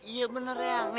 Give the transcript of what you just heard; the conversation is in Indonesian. iya bener yang